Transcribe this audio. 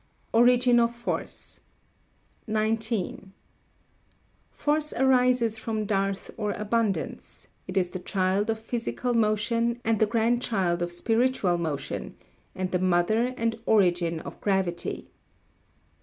[Sidenote: Origin of Force] 19. Force arises from dearth or abundance; it is the child of physical motion and the grandchild of spiritual motion, and the mother and origin of gravity.